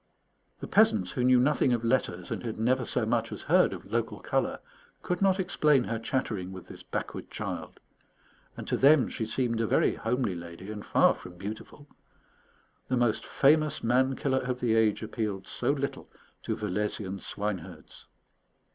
The peasants, who knew nothing of letters and had never so much as heard of local colour, could not explain her chattering with this backward child; and to them she seemed a very homely lady and far from beautiful: the most famous man killer of the age appealed so little to Velaisian swine herds!